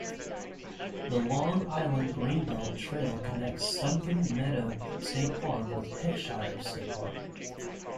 The Long Island Greenbelt Trail connects Sunken Meadow State Park with Heckscher State Park.